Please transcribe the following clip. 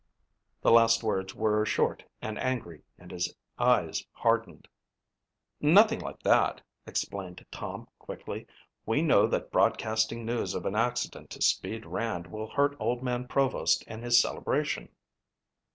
The last words were short and angry and his eyes hardened. "Nothing like that," explained Tom quickly. "We know that broadcasting news of an accident to 'Speed' Rand will hurt Old Man Provost and his celebration."